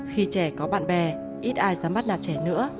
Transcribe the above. khi trẻ có bạn bè ít ai dám bắt nạt trẻ nữa